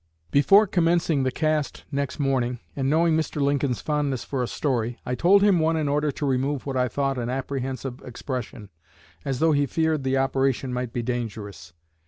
"Before commencing the cast next morning, and knowing Mr. Lincoln's fondness for a story, I told him one in order to remove what I thought an apprehensive expression as though he feared the operation might be dangerous.